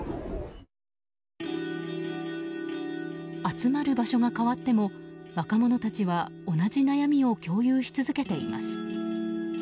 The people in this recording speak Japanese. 集まる場所が変わっても若者たちは同じ悩みを共有し続けています。